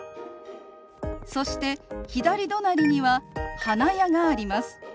そして左隣には花屋があります。